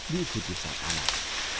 dan juga anak